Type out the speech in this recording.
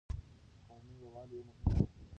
د کورنۍ يووالی يې مهم ګاڼه.